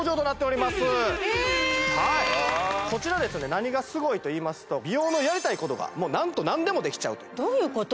何がすごいといいますと美容のやりたいことが何と何でもできちゃうというどういうこと？